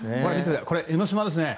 これ、江の島ですね。